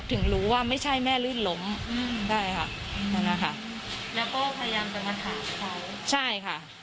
ตอนนั้นเขามีท่าทีไปในนั้นทั้งที